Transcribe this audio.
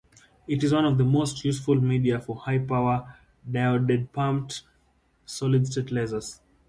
It is one of the most useful media for high-power diode-pumped solid state lasers.